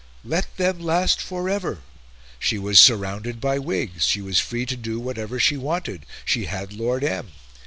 Let them last for ever! She was surrounded by Whigs, she was free to do whatever she wanted, she had Lord M.